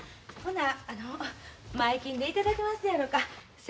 ほなあの前金で頂けますやろか。